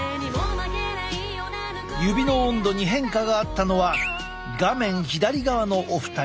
指の温度に変化があったのは画面左側のお二人。